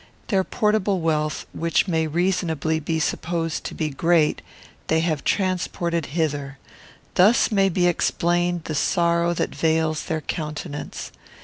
Their portable wealth, which may reasonably be supposed to be great, they have transported hither. Thus may be explained the sorrow that veils their countenance.